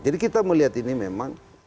jadi kita melihat ini memang